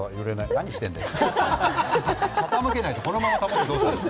何しているんだよ。